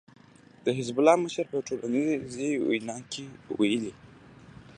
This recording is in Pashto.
د حزب الله مشر په يوه ټلويزیوني وينا کې ويلي